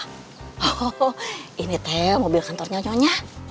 oh ini teh mobil kantor nyonya